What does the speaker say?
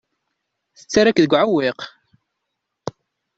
Tettarra-k deg uɛewwiq.